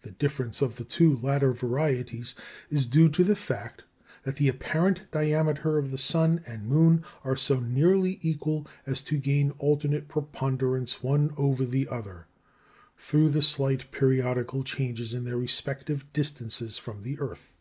The difference of the two latter varieties is due to the fact that the apparent diameter of the sun and moon are so nearly equal as to gain alternate preponderance one over the other through the slight periodical changes in their respective distances from the earth.